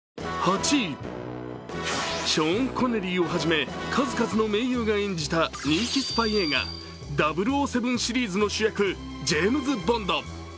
ショーン・コネリーをはじめ数々の名優が演じた人気スパイ映画「００７」シリーズの主役、ジェームズ・ボンド。